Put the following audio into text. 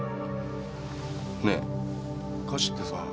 ねえ歌手ってさ